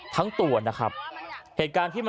ทั้งตัวนะครับ